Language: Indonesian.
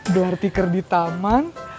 gelar tikar di taman